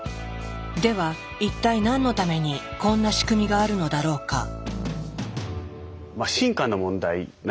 では一体何のためにこんな仕組みがあるのだろうか？